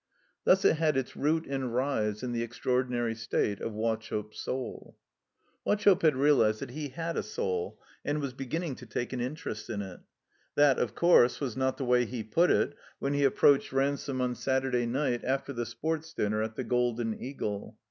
Thus it had its root and rise in the extraor dinary state of Wauchope's soul. Wauchope had realized that he had a soul, and was beginning to take an interest in it. That, of course, was not the way he put it when he approached Ransome on Saturday night after the Sports Dinner at the "Golden Eagle."